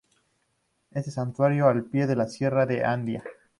Esta situado al pie de la sierra de Andía.